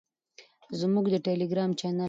زموږ د ټیلیګرام چینل